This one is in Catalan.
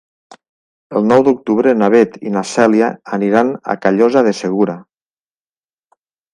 El nou d'octubre na Beth i na Cèlia aniran a Callosa de Segura.